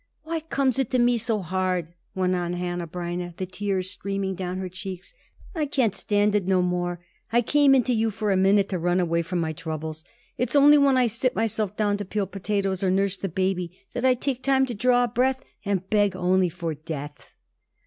"Why comes it to me so hard?" went on Hanneh Breineh, the tears streaming down her cheeks. "I can't stand it no more. I came into you for a minute to run away from my troubles. It's only when I sit myself down to peel potatoes or nurse the baby that I take time to draw a breath, and beg only for death."